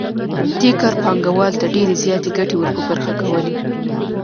دې کار پانګوال ته ډېرې زیاتې ګټې ور په برخه کولې